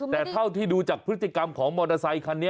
แต่เท่าที่ดูจากพฤติกรรมของมอเตอร์ไซคันนี้